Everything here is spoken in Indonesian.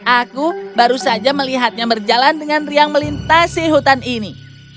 aku baru saja melihatnya berjalan dengan riang melintasi hutan ini